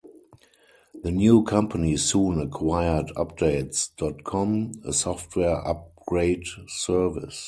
The new company soon acquired Updates dot com, a software upgrade service.